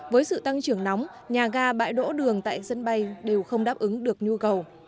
với sự tăng trưởng nóng nhà ga bãi đỗ đường tại sân bay đều không đáp ứng được nhu cầu